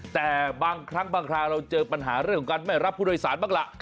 แต่บางครั้งบางคราวเราเจอปัญหาเรื่องของการไม่รับผู้โดยสารบ้างล่ะ